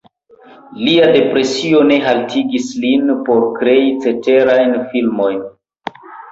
Lia depresio ne haltigis lin por krei ceterajn filmojn.